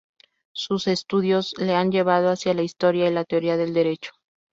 Sus estudios le han llevado hacia la Historia y la Teoría del Derecho.